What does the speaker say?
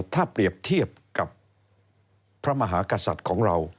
ถ้าเปรียบเทียบกับพระมหากษัตริย์ของเรา